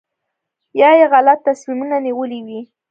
یا یې غلط تصمیمونه نیولي وي.